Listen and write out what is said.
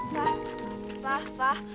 pak pak pak